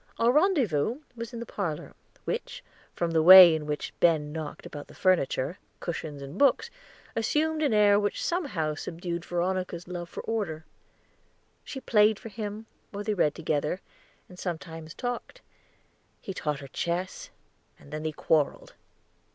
Our rendezvous was in the parlor, which, from the way in which Ben knocked about the furniture, cushions, and books, assumed an air which somehow subdued Veronica's love for order; she played for him, or they read together, and sometimes talked; he taught her chess, and then they quarreled.